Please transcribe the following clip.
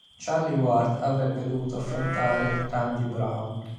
Charlie Ward avrebbe dovuto affrontare Randy Brown.